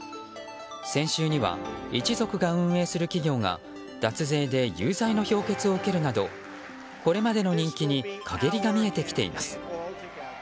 先週には一族が運営する企業が脱税で有罪の評決を受けるなどこれまでの人気に陰りが見えてきています。